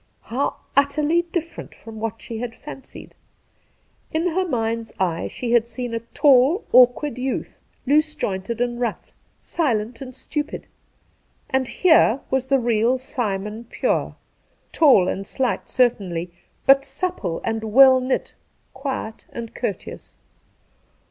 How utterly different from what she had fencied! In her mind's eye she had seen a tall, awkward youth, loose jointed and rough, silent and stupid, and here was the real Simon Pure, tall and slight, certainlyi but supple and well knit, quiet and courteous.